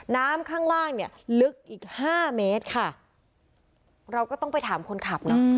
น้ำข้างล่างเนี่ยลึกอีกห้าเมตรค่ะเราก็ต้องไปถามคนขับเนอะ